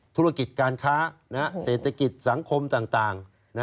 ธุรกิจการค้าเศรษฐกิจสังคมต่าง